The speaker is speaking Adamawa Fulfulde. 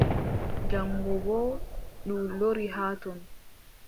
Jaŋgo boo ndu lori haa ton.